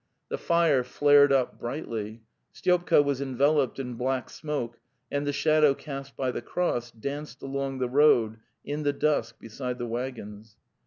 The fire flared up brightly; Styopka was enveloped in black smoke, and the shadow cast by the cross danced along the road in the dusk beside the waggons.